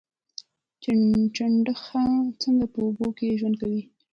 چنډخه څنګه په اوبو کې ژوند کوي؟